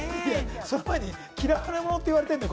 その前に嫌われ者って言われてるのか！